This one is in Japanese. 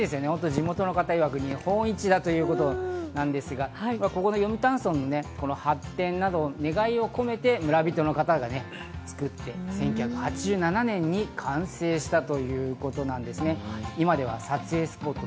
地元の方いわく、日本一だということなんですが、ここの読谷村、村人の方が思いや願いを込めて、８７年に完成したということなんですね。